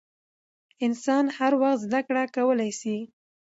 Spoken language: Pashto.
انسان هر وخت زدکړه کولای سي .